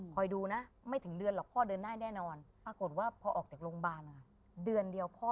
คอยดูนะไม่ถึงเดือนหรอก